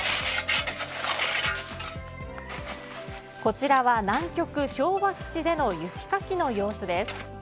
こちらは、南極昭和基地での雪かきの様子です。